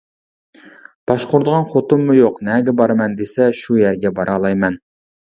باشقۇرىدىغان خوتۇنمۇ يوق، نەگە بارىمەن دېسە شۇ يەرگە بارالايمەن.